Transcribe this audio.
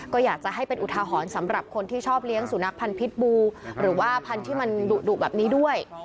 ก็อยากจะให้เป็นอุทาหรณ์สำหรับคนที่ชอบเลี้ยงสุนัขพันธ์พิษบูหรือว่าพันธุ์ที่มันดุแบบนี้ด้วย